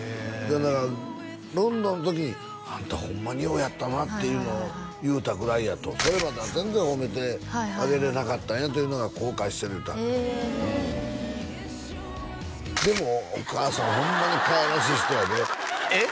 だからロンドンの時にあんたホンマにようやったなっていうのを言うたぐらいやとそれまでは全然褒めてあげれなかったんやというのが後悔してる言うてへえでもお母さんホンマにかわいらしい人やでえっ？